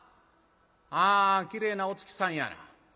あきれいなお月さんやな。